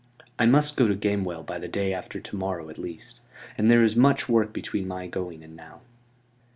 I must go to Gamewell by the day after to morrow at least; and there is much work between my going and now."